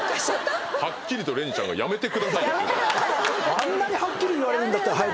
あんなにはっきり言われるんだったら。